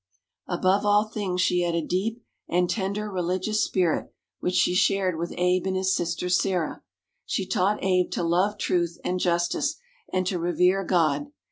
Above all things she had a deep and tender religious spirit which she shared with Abe and his sister, Sarah. She taught Abe to love truth and justice and to revere God.